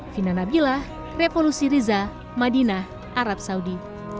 fina nabilah revolusi riza madinah arab saudi